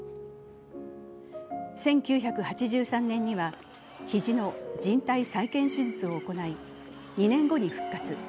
１９８３年には、肘のじん帯再建手術を行い、２年後に復活。